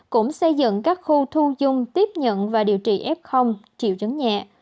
cũng xây dựng các khu thu dung tiếp nhận và điều trị f triệu chứng nhẹ